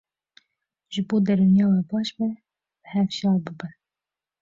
Ji bo derûniya we baş be, bi hev şa bibin.